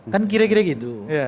kan kira kira gitu